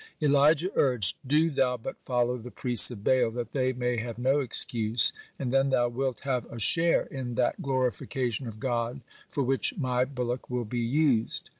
Elijah urged: "Do thou but follow the priests of Baal that they may have no excuse, and then thou wilt have a share in that glorification of God for which my bullock will be used."